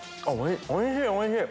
おいしいおいしい。